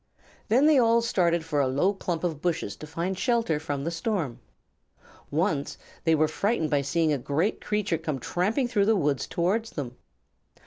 Then they all started for a low clump of bushes to find shelter from the storm. Once they were frightened by seeing a great creature come tramping through the woods towards them.